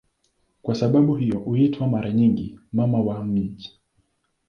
Kwa sababu hiyo huitwa mara nyingi "Mama wa miji".